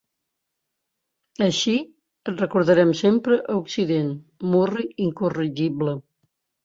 Així et recordarem sempre a Occident, murri incorregible.